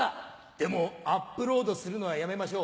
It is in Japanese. でもアップロードするのはやめましょう。